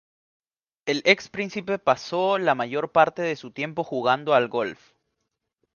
El ex príncipe pasó la mayor parte de su tiempo jugando al golf.